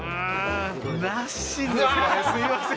すいません。